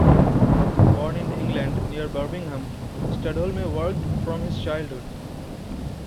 Born in England near Birmingham, Studholme worked from his childhood.